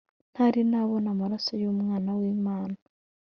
ntari na'bon' amaraso y'umwana w'imana.